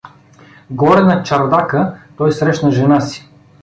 Горе на чардака той срещна жена си.